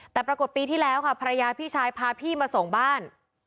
แต่ปรากฏปีที่แล้วค่ะภรรยาพี่ชายพาพี่มาส่งบ้าน